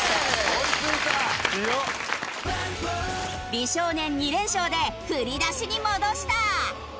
美少年２連勝で振り出しに戻した！